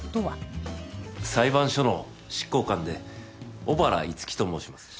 裁判所の執行官で小原樹と申します。